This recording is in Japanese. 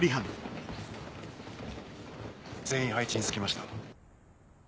・全員配置につきました